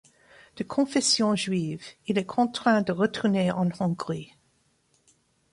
De confession juive, il est contraint de retourner en Hongrie.